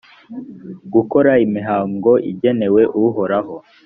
gukora imihango igenewe uhoraho,